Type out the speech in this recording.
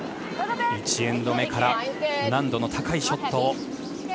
１エンド目から難度の高いショットを。